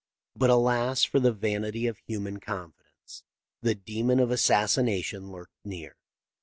But alas for the vanity of human confidence ! The demon of assassination lurked near.